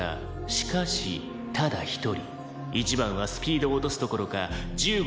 「しかしただ一人１番はスピードを落とすどころか１５番のほうへ加速した」